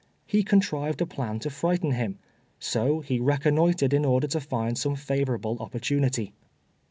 He contrived a plan to frighten him, so he reconnoitred in order to find some favorable opportunity.